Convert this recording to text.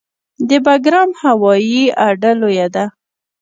د بګرام هوایي اډه لویه ده